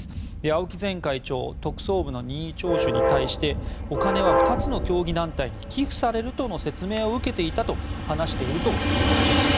青木前会長特捜部の任意聴取に対してお金は２つの競技団体に寄付されるとの説明を受けていたと話しているということです。